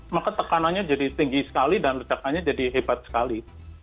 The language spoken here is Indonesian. maka tekanannya jadi tinggi sekali dan recakannya jadi hebat sekali